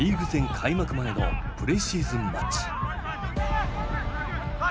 開幕前のプレシーズンマッチ。